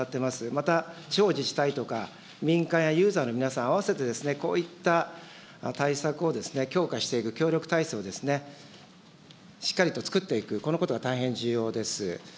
また地方自治体とか、民間やユーザーの皆さん、合わせてこういった対策を強化していく、協力体制をしっかりと作っていく、このことが大変重要です。